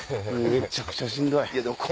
めちゃくちゃしんどいっすわ。